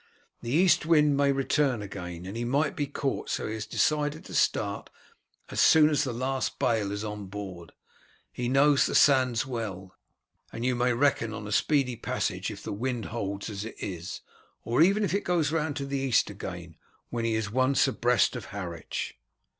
The east wind may return again, and he might be caught; so he has decided to start as soon as the last bale is on board. He knows the sands well, and you may reckon on a speedy passage if the wind holds as it is, or even if it goes round to the east again, when he is once abreast of Harwich."